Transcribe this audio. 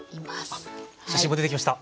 あ写真も出てきました！